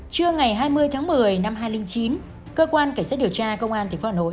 trưa ngày hai mươi tháng một mươi năm hai nghìn chín cơ quan cảnh sát điều tra công an tp hà nội